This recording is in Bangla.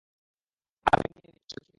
আমি নিয়ে নিচ্ছি, যথেষ্ট খেয়েছিস।